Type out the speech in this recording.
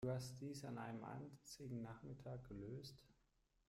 Du hast dies an einem einzigen Nachmittag gelöst?